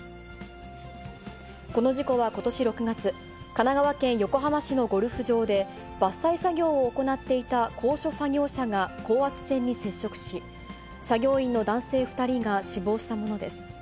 この事故はことし６月、神奈川県横浜市のゴルフ場で、伐採作業を行っていた高所作業車が高圧線に接触し、作業員の男性２人が死亡したものです。